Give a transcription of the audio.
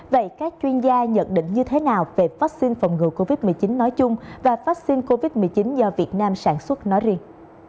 vậy các chuyên gia nhận định như thế nào về vaccine phòng ngừa covid một mươi chín nói chung và vaccine covid một mươi chín do việt nam sản xuất nói riêng